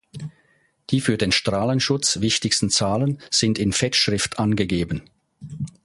Die für den Strahlenschutz wichtigsten Zahlen sind in Fettschrift angegeben.